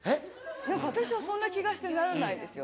何か私はそんな気がしてならないですよ。